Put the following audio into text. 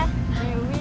bosen di rumah